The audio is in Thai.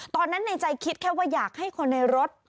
ตอนนั้นในใจคิดแค่ว่าอยากให้คนในรถ